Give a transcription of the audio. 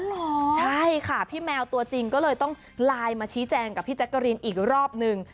เหรอใช่ค่ะพี่แมวตัวจริงก็เลยต้องไลน์มาชี้แจงกับพี่แจ๊กกะรีนอีกรอบนึง